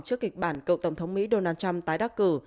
trước kịch bản cựu tổng thống mỹ donald trump tái đắc cử